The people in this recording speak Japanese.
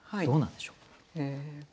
どうなんでしょう？